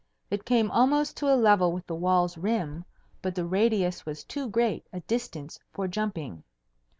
It came almost to a level with the wall's rim, but the radius was too great a distance for jumping.